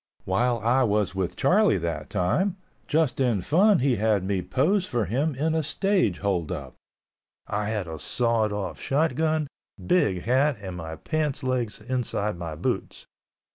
While I was with Charlie that time, just in fun he had me pose for him in a stage hold up. I had a sawed off shot gun, big hat and my pants legs inside my boots.